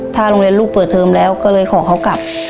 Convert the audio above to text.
ถ้าโรงเรียนลูกเปิดเทอมแล้วก็เลยขอเขากลับ